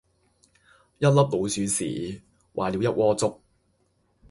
一粒老鼠屎，壞了一鍋粥